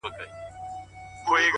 • د دوى په نيت ورسره نه اوسيږو؛